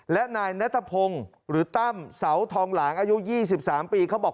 และนายนัทพงศ์หรือตั้มเสาทองหลางอายุ๒๓ปีเขาบอก